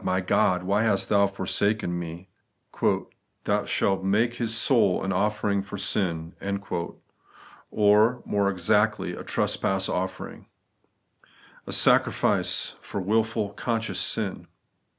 my God, why hast Thou forsaken me ?*' Thon shalt make His soul an ofifering for sin ;' or, more exactly, 'a trespass offering;' a sacrifice for wilful, conscious sin.